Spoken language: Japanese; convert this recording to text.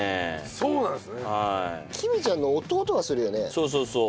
そうそうそう。